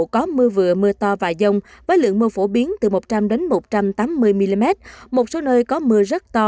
có mưa vừa mưa to và dông với lượng mưa phổ biến từ một trăm linh một trăm tám mươi mm một số nơi có mưa rất to